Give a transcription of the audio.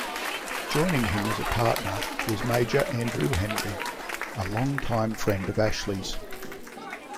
Joining him as a partner was Major Andrew Henry, a long-time friend of Ashley's.